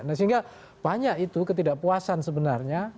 nah sehingga banyak itu ketidakpuasan sebenarnya